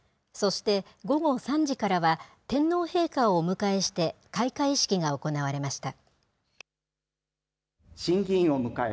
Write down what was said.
そして、午後３時からは天皇陛下をお迎えして、開会式が行われました。